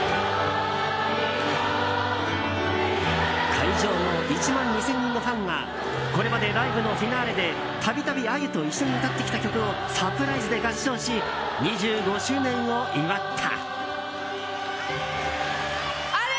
会場の１万２０００人のファンがこれまでライブのフィナーレで度々あゆと一緒に歌ってきた曲をサプライズで合唱し２５周年を祝った。